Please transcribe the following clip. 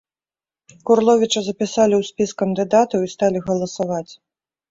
Курловіча запісалі ў спіс кандыдатаў і сталі галасаваць.